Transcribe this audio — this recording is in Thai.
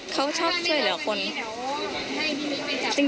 เขาชอบช่วยเหลือคน